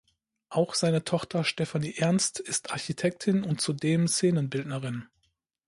Auch seine Tochter Stephanie Ernst ist Architektin und zudem Szenenbildnerin.